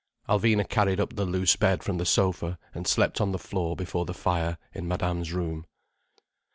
Alvina carried up the loose bed from the sofa, and slept on the floor before the fire in Madame's room.